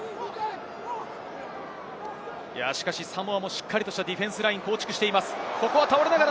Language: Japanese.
サモアも、しっかりとしたディフェンスラインを構築しています。